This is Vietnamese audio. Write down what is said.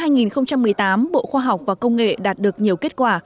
năm hai nghìn một mươi tám bộ khoa học và công nghệ đạt được nhiều kết quả